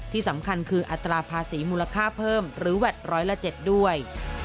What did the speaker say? ที่สำคัญคืออัตราภาษีมูลค่าเพิ่มหรือแวดร้อยละ๗ด้วย